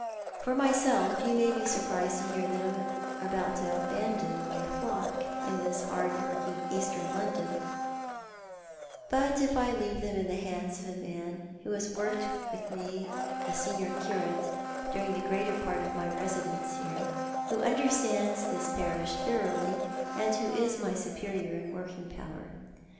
" For myself you may be surprised to hear that I am about to abandon my flock in this hard working Eastern London ; but I leave them in the hands of a man who has worked with me as senior curate during the greater part of my residence here, who understands this parish thoroughly, and who is my superior in working power.